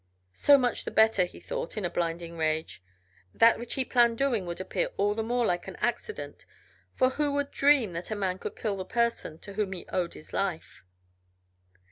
So much the better, he thought, in a blind rage; that which he planned doing would appear all the more like an accident, for who would dream that a man could kill the person to whom he owed his life?